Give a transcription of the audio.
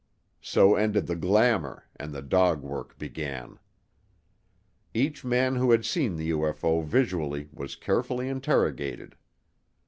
So ended the glamour and the dog work began. Each man who had seen the UFO visually was carefully interrogated.